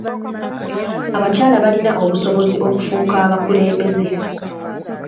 Abakyala balina obusobozi okufuuka abakulembeze.